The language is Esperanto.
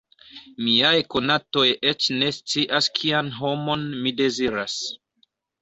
Miaj konatoj eĉ ne scias kian homon mi deziras.